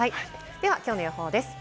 では、きょうの予報です。